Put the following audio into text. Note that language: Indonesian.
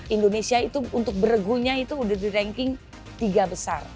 indonesia itu untuk beregunya itu udah di ranking tiga besar